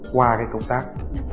qua cái công tác